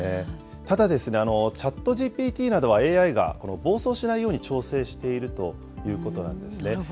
ただですね、チャットＧＰＴなどは、ＡＩが暴走しないように調整しているということなんですね。